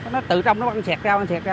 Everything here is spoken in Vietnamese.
nó từ trong nó băng sẹt ra băng sẹt ra